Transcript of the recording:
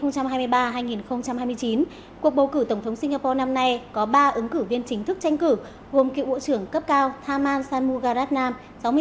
cuộc bầu cử tổng thống singapore năm nay có ba ứng cử viên chính thức tranh cử gồm cựu bộ trưởng cấp cao tham an sanmugaratnam sáu mươi sáu tuổi